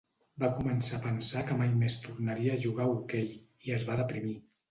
Va començar a pensar que mai més tornaria a jugar a hoquei i es va deprimir.